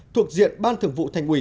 thuộc diện ban thường vụ thành ủy